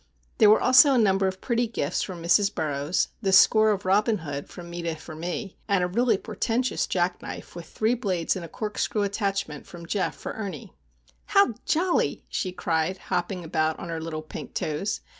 There were also a number of pretty gifts from Mrs. Burroughs, the score of Robin Hood from Meta for me, and a really portentous jackknife with three blades and a corkscrew attachment from Geof for Ernie. "How jolly!" she cried, hopping about on her little pink toes.